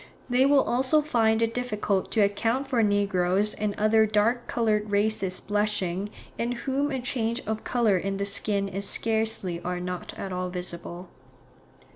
They will also find it difficult to account for negroes and other dark coloured races blushing, in whom a change of colour in the skin is scarcely or not at all visible.